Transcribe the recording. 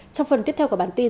trong phần tiếp theo của bản tin